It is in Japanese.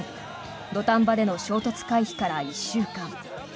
土壇場での衝突開始から１週間。